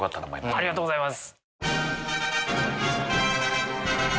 ありがとうございます。